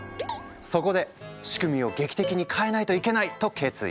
そこで仕組みを劇的に変えないといけないと決意。